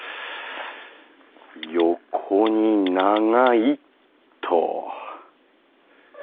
「横に長い！」っと。